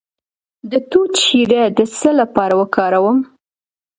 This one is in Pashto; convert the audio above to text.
د توت شیره د څه لپاره وکاروم؟